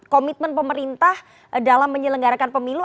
komitmen pemerintah dalam menyelenggarakan pemilu